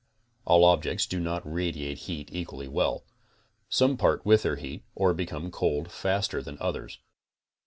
All objects do not radiate heat equally well. Some part with their heat or become cold faster than others.